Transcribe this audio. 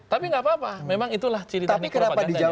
tapi gak apa apa memang itulah ciri ciri propaganda nya